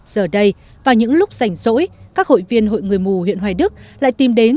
giờ đây vào những lúc rảnh rỗi các hội viên hội người mù huyện hoài đức lại tìm đến